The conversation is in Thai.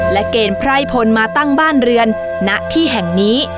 และเกณฑ์ไพร่พลมาตั้งบ้านเรือนณที่แห่งนี้